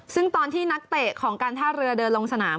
ซึ่งตอนที่นักเตะของการท่าเรือเดินลงสนาม